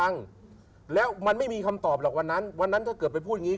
ฟังแล้วมันไม่มีคำตอบหรอกวันนั้นวันนั้นถ้าเกิดไปพูดอย่างงี